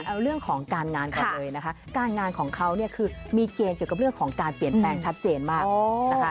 เอาเรื่องของการงานก่อนเลยนะคะการงานของเขาเนี่ยคือมีเกณฑ์เกี่ยวกับเรื่องของการเปลี่ยนแปลงชัดเจนมากนะคะ